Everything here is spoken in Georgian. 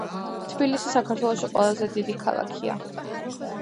თბილისი საქართველოში ყველაზე დიდი ქალაქია